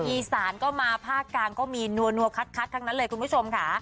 อีสานก็มาภาคกลางก็มีนัวคัดทั้งนั้นเลยคุณผู้ชมค่ะ